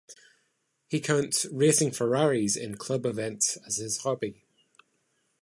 He counts racing Ferraris in club events as his hobby.